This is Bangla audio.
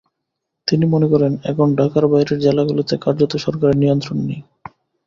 তিনি মনে করেন, এখন ঢাকার বাইরের জেলাগুলোতে কার্যত সরকারের নিয়ন্ত্রণ নেই।